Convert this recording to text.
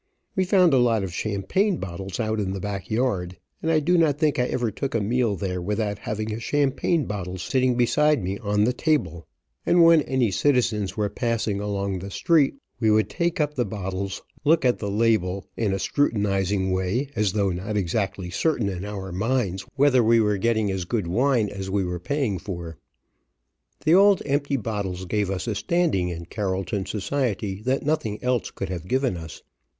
We found a lot of champagne bottles out in the back yard, and I do not think I ever took a meal there without having a champagne bottle sitting beside me on the table, and when any citizens were passing along the street we would take up the bottles, look at the label in a scrutinizing way, as though not exactly certain in our minds whether we were getting as good wine as we were paying for. The old empty bottles gave us a standing in Carrollton society that nothing else could have given us.